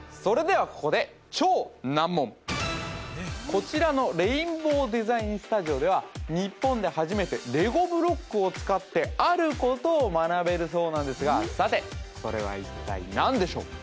こちらのレインボー・デザイン・スタジオでは日本で初めてレゴブロックを使ってあることを学べるそうなんですがさてそれは一体何でしょう？